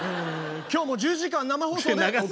今日も１０時間生放送でお送りします。